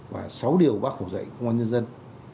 và sáu điều bác khẩu dạy công an